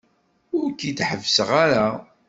Ur k-id-ḥebbseɣ ara.